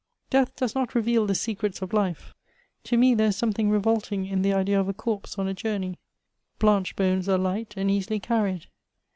Death does not reveal the secrets of * life. To me there is something revolting in the idea of a corpse on a journey. Blanched bones are light, and easily carried.